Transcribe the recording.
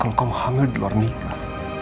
kalau kamu hamil di luar nikah